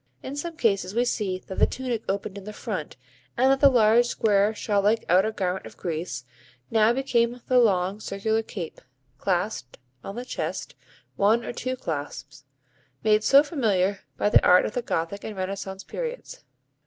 In some cases we see that the tunic opened in the front and that the large, square, shawl like outer garment of Greece now became the long circular cape, clasped on the chest (one or two clasps), made so familiar by the art of the Gothic and Renaissance periods.